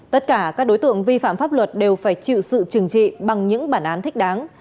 tất cả các đối tượng vi phạm pháp luật đều phải chịu sự trừng trị bằng những bản án thích đáng